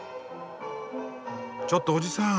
ちょっとオジさん